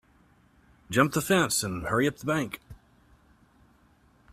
Jump the fence and hurry up the bank.